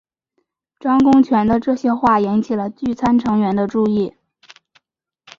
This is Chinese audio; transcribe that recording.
张公权的这些话引起聚餐成员的注意。